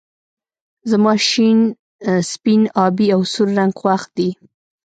زما شين سپين آبی او سور رنګ خوښ دي